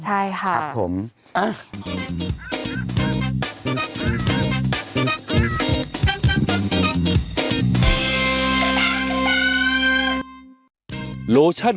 ใช่ค่ะครับผมอะอ่ะง่าย